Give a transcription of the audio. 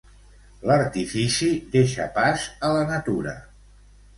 L'artifici deixa pas a la natura.